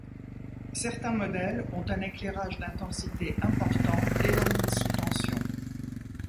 Certains modèles ont un éclairage d'intensité importante dès leur mise sous tension.